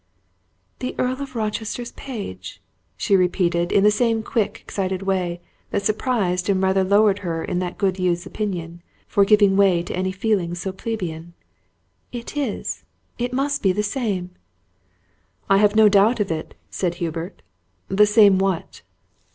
"The Earl of Rochester's page!" she repeated, in the same quick, excited way, that surprised and rather lowered her in that good youth's opinion, for giving way to any feelings so plebeian. "It is it must be the same!" "I have no doubt of it," said Hubert. "The same what?"